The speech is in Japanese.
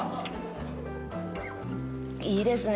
いいですね。